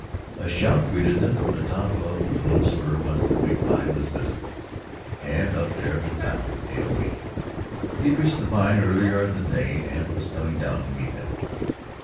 A shout greeted them from the top of the little spur whence the big Pine was visible, and up there they found Hale waiting. He had reached the Pine earlier than they and was coming down to meet them.